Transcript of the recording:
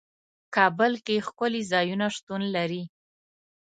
کابل کې ښکلي ځايونه شتون لري.